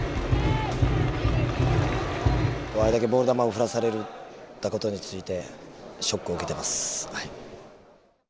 あれだけボール球を振らされたことについてショックを受けてますはい。